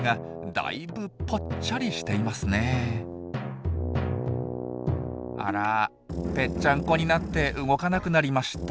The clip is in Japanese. あらぺっちゃんこになって動かなくなりました。